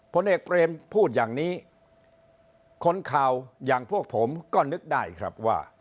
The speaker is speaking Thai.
ผลเอกเปรมพูดอย่างนี้คนข่าวอย่างพวกผมก็นึกได้ครับว่า